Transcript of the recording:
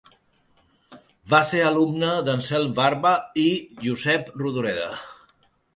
Va ser alumne d'Anselm Barba i Josep Rodoreda.